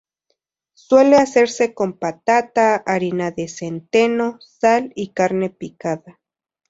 Suele hacerse con patata, harina de centeno, sal y carne picada.